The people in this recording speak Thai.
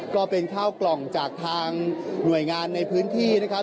ก็เป็นข้าวกล่องจากทางหน่วยงานในพื้นที่นะครับ